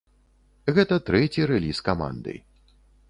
Гэта трэці рэліз каманды.